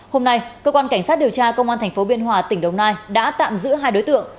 hôm nay cơ quan cảnh sát điều tra công an tp biên hòa tỉnh đồng nai đã tạm giữ hai đối tượng